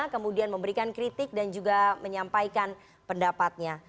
kemudian memberikan kritik dan juga menyampaikan pendapatnya